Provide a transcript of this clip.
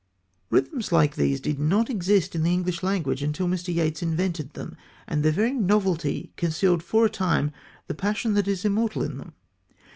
_ Rhythms like these did not exist in the English language until Mr. Yeats invented them, and their very novelty concealed for a time the passion that is immortal in them.